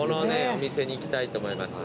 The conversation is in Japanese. お店に行きたいと思います。